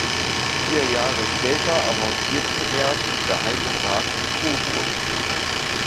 Vier Jahre später avancierte er zum Geheimen Rat in Coburg.